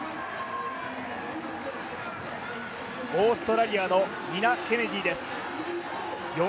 オーストラリアのニナ・ケネディです。